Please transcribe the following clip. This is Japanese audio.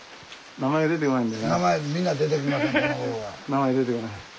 名前出てこない。